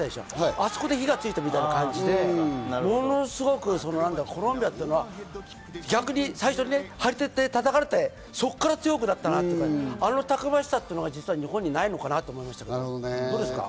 あそこで火がついたみたいな感じで、ものすごくコロンビアというのは逆に最初にたたかれて、そこから強くなったなと、あのたくましさが日本にないのかなと思いましたけど、どうですか？